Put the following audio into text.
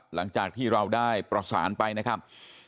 หลังจากที่เราได้ประสานไปนะครับ